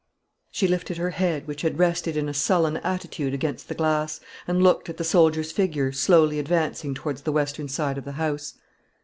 She lifted her head, which had rested in a sullen attitude against the glass, and looked at the soldier's figure slowly advancing towards the western side of the house.